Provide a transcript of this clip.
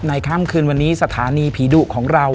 ค่ำคืนวันนี้สถานีผีดุของเรา